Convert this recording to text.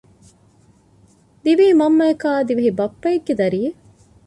ދިވެހި މަންމައަކާއި ދިވެހި ބައްޕައެއްގެ ދަރިއެއް